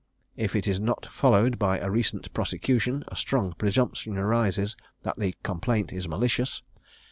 If it is not followed by a recent prosecution; a strong presumption arises that the complaint is malicious.